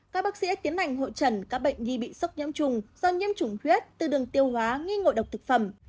các bác sĩ đã tiến hành hội trần các bệnh nhi bị sốc nhẫm trùng do nhiêm trùng huyết từ đường tiêu hóa nghi ngội độc thực phẩm